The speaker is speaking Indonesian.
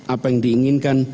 apa yang diinginkan